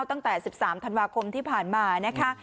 ตั้งแต่๑๓ธันวาคมที่ผ่านมานะคะ